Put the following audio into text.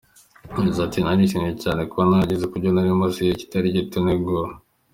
Yagize ati :« Narishimye cyane kuba narageze kubyo narimaze igihe kitari gito ntegura.